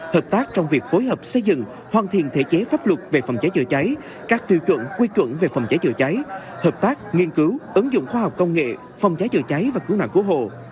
hợp tác trong việc phối hợp xây dựng hoàn thiện thể chế pháp luật về phòng cháy chữa cháy các tiêu chuẩn quy chuẩn về phòng cháy chữa cháy hợp tác nghiên cứu ứng dụng khoa học công nghệ phòng cháy chữa cháy và cứu nạn cứu hộ